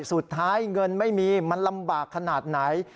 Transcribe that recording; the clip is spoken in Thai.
สุดท้ายเงินไม่มีมันลำบากขนาดไหน